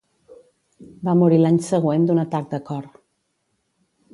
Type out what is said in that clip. Va morir l'any següent d'un atac de cor.